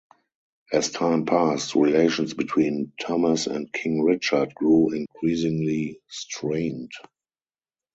As time passed relations between Thomas and King Richard grew increasingly strained.